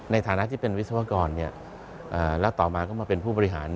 ในฐานะที่เป็นวิศวกรแล้วต่อมาก็มาเป็นผู้บริหาร